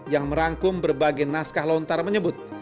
yang merangkum berbagai naskah lontar menyebut